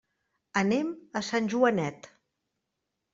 Anem a Sant Joanet.